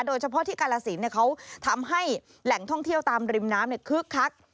โดยเฉพาะที่กาลสินเขาทำให้แหล่งท่องเที่ยวตามริมน้ำคึกคัก